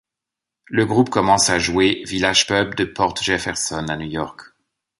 Le groupe commence à jouer Village Pub de Port Jefferson, à New York.